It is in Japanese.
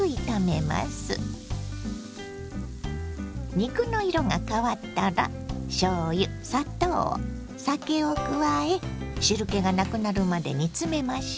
肉の色が変わったらしょうゆ砂糖酒を加え汁けがなくなるまで煮詰めましょ。